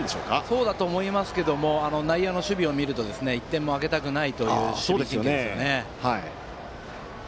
そうだと思いますけど内野の守備を見ますと１点もあげたくないという守備陣形ですよね。